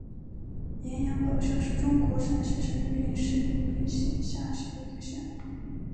盐场堡乡是中国陕西省榆林市定边县下辖的一个乡。